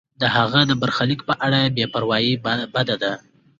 د هغه د برخلیک په اړه بې پروایی بده ده.